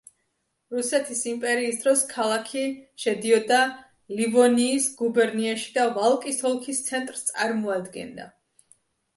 რუსეთის იმპერიის დროს ქალაქი შედიოდა ლივონიის გუბერნიაში და ვალკის ოლქის ცენტრს წარმოადგენდა.